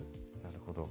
なるほど。